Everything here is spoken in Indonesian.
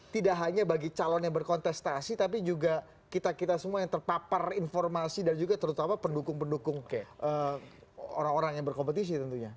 tidak hanya bagi calon yang berkontestasi tapi juga kita kita semua yang terpapar informasi dan juga terutama pendukung pendukung orang orang yang berkompetisi tentunya